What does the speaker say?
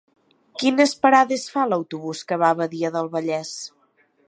Quines parades fa l'autobús que va a Badia del Vallès?